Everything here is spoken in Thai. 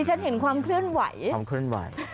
ดิฉันเห็นความเคลื่อนไหว